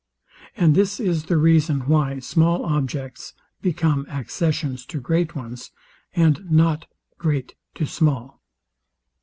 And this Is the reason, why small objects become accessions to great ones, and not great to small.